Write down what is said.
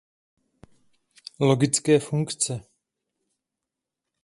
Logické funkce